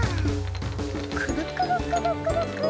くるくるくるくるくる。